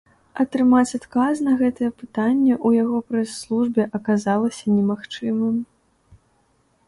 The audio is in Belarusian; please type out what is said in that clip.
Атрымаць адказ на гэтае пытанне ў яго прэс-службе аказалася немагчымым.